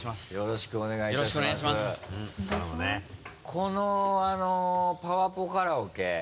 このパワポカラオケ。